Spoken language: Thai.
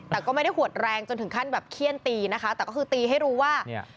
แต่ก็ไม่ได้หวดแรงจนถึงขั้นแบบเขี้ยนตีนะคะแต่ก็คือตีให้รู้ว่าเนี่ย